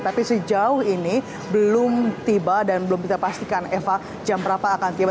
tapi sejauh ini belum tiba dan belum kita pastikan eva jam berapa akan tiba